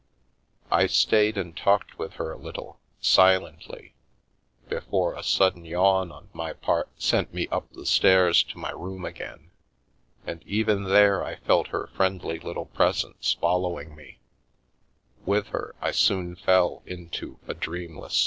I stayed and talked with her a little, silently, before a sudden yawn on my part sent me up the stairs to my room again, and even there I felt her friendly little presence follow ing me.